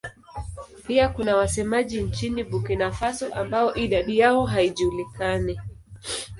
Pia kuna wasemaji nchini Burkina Faso ambao idadi yao haijulikani.